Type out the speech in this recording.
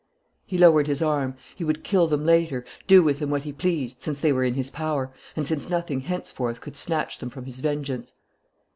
He lowered his arm. He would kill them later, do with them what he pleased, since they were in his power, and since nothing henceforth could snatch them from his vengeance.